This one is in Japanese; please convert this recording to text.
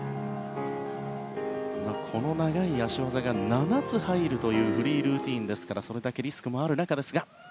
この長い脚技が７つ入るというフリールーティンなのでそれだけリスクがある中ですが。